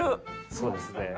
そうですね。